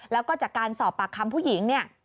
แล้วก็จากการสอบปากคำผู้หญิงเนี่ย